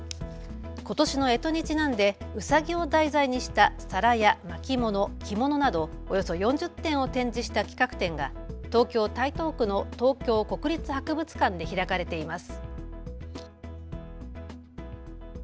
ことしのえとにちなんでうさぎを題材にした皿や巻物、着物などおよそ４０点を展示した企画展が東京台東区の東京国立博物館で開かれています。